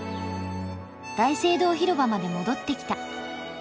大聖堂広場まで戻ってきた。